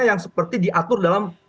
yang seperti diatur dalam regulasi itu